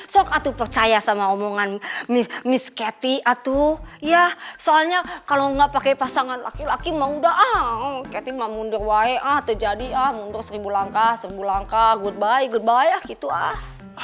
sok atuh percaya sama omongan miss kathy atuh ya soalnya kalau enggak pakai pasangan laki laki mah udah ah kathy mah mundur wah teh jadi ah mundur seribu langkah seribu langkah goodbye goodbye gitu ah